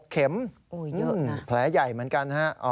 ๑๖เข็มแผลใหญ่เหมือนกันนะฮะโอ้เยอะนะ